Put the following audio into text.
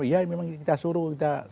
ya memang kita suruh